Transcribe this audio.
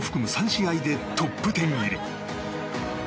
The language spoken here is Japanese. ３試合でトップ１０入り。